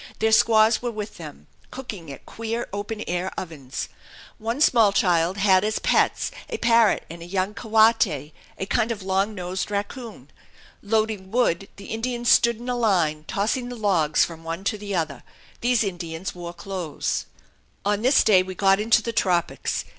Their squaws were with them, cooking at queer open air ovens. One small child had as pets a parrot and a young coati a kind of long nosed raccoon. Loading wood, the Indians stood in a line, tossing the logs from one to the other. These Indians wore clothes. On this day we got into the tropics.